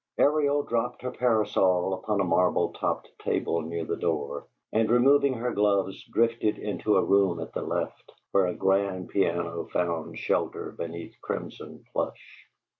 Ariel dropped her parasol upon a marble topped table near the door, and, removing her gloves, drifted into a room at the left, where a grand piano found shelter beneath crimson plush.